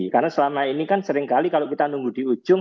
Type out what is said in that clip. karena selama ini kan sering kali kalau kita nunggu di ujung